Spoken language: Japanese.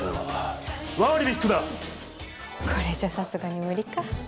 これじゃさすがに無理か。